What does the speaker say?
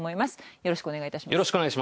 よろしくお願いします。